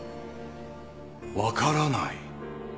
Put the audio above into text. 分からない？